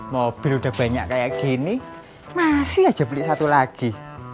mobil udah banyak kayak gini masih aja beli satu lagi